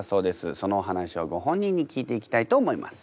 そのお話をご本人に聞いていきたいと思います。